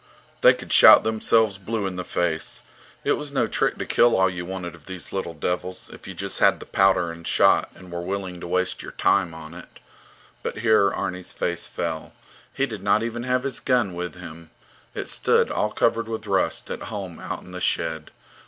They could shout themselves blue in the face. It was no trick to kill all you wanted of these little devils if you just had the powder and shot and were willing to waste your time on it. But here Arni's face fell. He did not even have his gun with him. It stood, all covered with rust, at home out in the shed.